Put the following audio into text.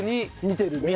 見てるね。